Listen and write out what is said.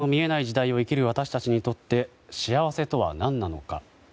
新型コロナや円安など先の見えない時代を生きる私たちにとって幸せとは何なのか。